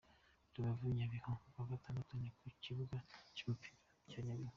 Rubavu-Nyabihu : Kuwa Gatandatu, ni ku kibuga cy’umupira cya Nyabihu.